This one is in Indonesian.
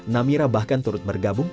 namira bahkan turut bergabung